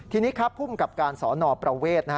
ทีนี้ครับภูมิกับการสนประเวท